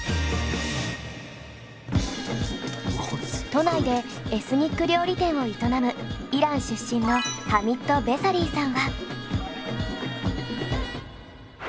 都内でエスニック料理店を営むイラン出身のハミッド・ベサリーさんは。